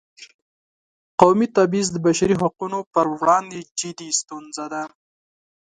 قومي تبعیض د بشري حقونو پر وړاندې جدي ستونزه ده.